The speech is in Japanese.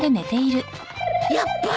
やっぱり。